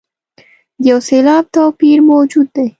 د یو سېلاب توپیر موجود دی.